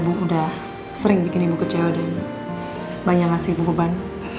ibu udah sering bikin ibu kecewa dan banyak ngasih beban